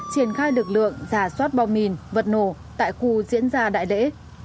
triển khai lực lượng giả soát bom mìn vật nổ tại khu diễn ra đại lễ